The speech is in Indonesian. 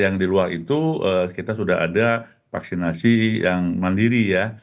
yang di luar itu kita sudah ada vaksinasi yang mandiri ya